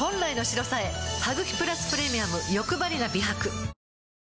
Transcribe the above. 「ハグキプラスプレミアムよくばりな美白」